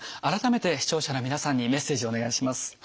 改めて視聴者の皆さんにメッセージお願いします。